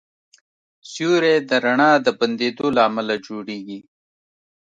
سیوری د رڼا د بندېدو له امله جوړېږي.